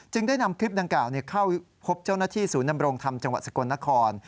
ได้นำคลิปดังกล่าวเข้าพบเจ้าหน้าที่ศูนย์นำรงธรรมจังหวัดสกลนคร